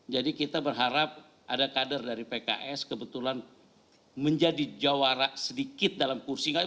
jadi kita berharap ada kader dari pks kebetulan menjadi jawara sedikit dalam kursi